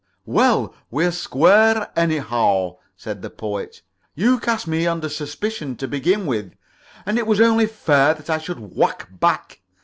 "Well, we're square, anyhow," said the Poet. "You cast me under suspicion, to begin with, and it was only fair that I should whack back.